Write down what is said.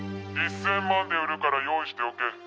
１千万で売るから用意しておけ。